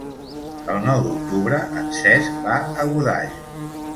El nou d'octubre en Cesc va a Godall.